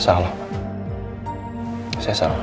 saya salah pak saya salah